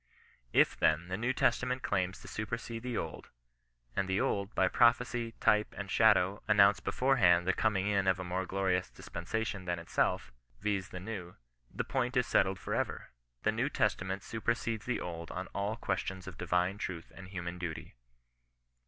If, then, the New Testament claims to supersede the Old, and the Old, by prophecy, type, and shadow, announced beforehand the coming in of a more glorious dispensation than itself, viz. the New, the point is settled for ever. The Neio Testiment super cedes the Old on all questions of d v 'ne truth and human duty.